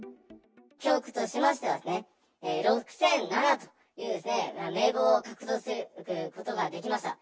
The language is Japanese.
教区としましては、６００７という名簿を獲得することができました。